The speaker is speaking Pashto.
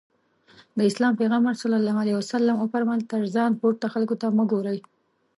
د اسلام پيغمبر ص وفرمايل تر ځان پورته خلکو ته مه ګورئ.